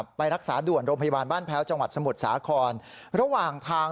เสียงคำสั่งของท่านคุณส่งพลังต่างหาคำสั่งทาง